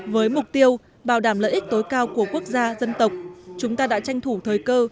với mục tiêu bảo đảm lợi ích tối cao của quốc gia dân tộc chúng ta đã tranh thủ thời cơ